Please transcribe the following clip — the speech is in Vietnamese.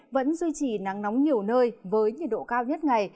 vẫn duy trì nắng nóng nhiều nơi với nhiệt độ cao nhất ngày